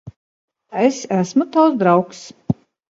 Es esmu tavs draugs.